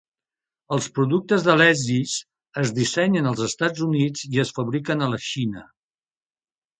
Els productes d'Alesis es dissenyen als Estats Units i es fabriquen a la Xina.